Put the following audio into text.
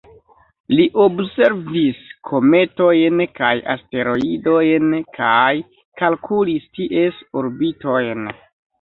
Li observis kometojn kaj asteroidojn kaj kalkulis ties orbitojn.